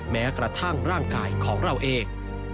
แม้กระทั่งร่างกายของเราเอง